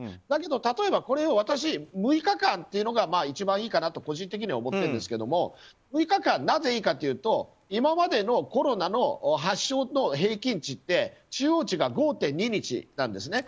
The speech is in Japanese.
だけど、これを例えば６日間というのが一番いいかなと個人的には思ってるんですけど６日間がなぜいいかというと今までのコロナの発症の平均値って中央値が５．２日なんです。